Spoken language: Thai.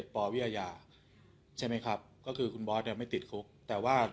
ปวิอาญาใช่ไหมครับก็คือคุณบอสเนี่ยไม่ติดคุกแต่ว่า